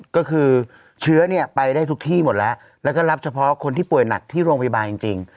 ก็คือเชื้อเนี่ยไปได้ทุกที่หมดแล้วแล้วก็รับเฉพาะคนที่ป่วยหนักที่โรงพยาบาลจริง